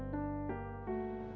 bersama pak haji